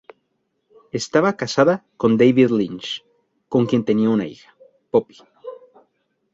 Estaba casada con David Lynch, con quien tenía una hija, Poppy.